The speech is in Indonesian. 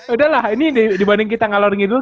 udah lah ini dibanding kita ngaloringin dulu